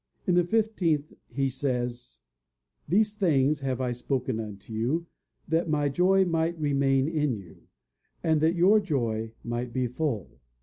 In the fifteenth he says, "These things have I spoken unto you that my joy might remain in you, and that your joy might be full."